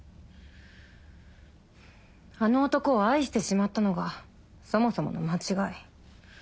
あの男を愛してしまったのがそもそもの間違い。